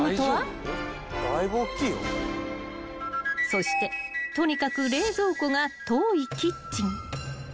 ［そしてとにかく冷蔵庫が遠いキッチン］